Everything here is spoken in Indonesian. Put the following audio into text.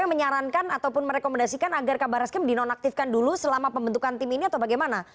menyarankan ataupun merekomendasikan agar kabar reskrim dinonaktifkan dulu selama pembentukan tim ini atau bagaimana